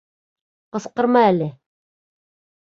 Ҡысҡырма әле.